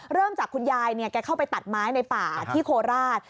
เริ่มจากคุณยายเนี่ยแกเข้าไปตัดไม้ในป่าที่โคราช